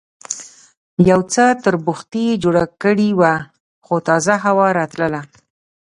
یو څه تربوختي یې جوړه کړې وه، خو تازه هوا راتلله.